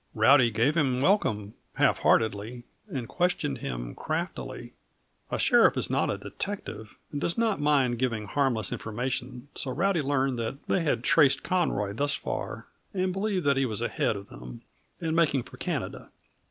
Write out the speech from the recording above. Rowdy gave him welcome half heartedly, and questioned him craftily. A sheriff is not a detective, and does not mind giving harmless information; so Rowdy learned that they had traced Conroy thus far, and believed that he was ahead of them and making for Canada.